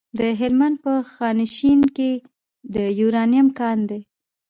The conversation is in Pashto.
د هلمند په خانشین کې د یورانیم کان دی.